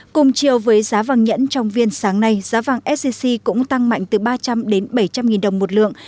cùng chiều với giá vàng nhẫn trong viên sáng nay giá vàng sgc cũng tăng mạnh từ ba trăm linh đến bảy trăm linh nghìn đồng một lượng